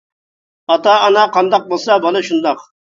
ئاتا ئانا قانداق بولسا، بالا شۇنداق.